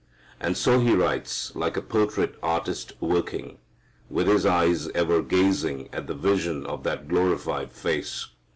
And so he writes, like a portrait artist working, with his eyes ever gazing at the vision of that glorified Face.